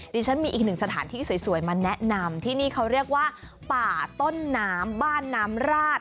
ดิฉันมีอีกหนึ่งสถานที่สวยมาแนะนำที่นี่เขาเรียกว่าป่าต้นน้ำบ้านน้ำราด